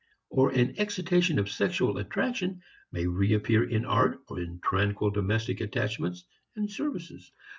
Or an excitation of sexual attraction may reappear in art or in tranquil domestic attachments and services.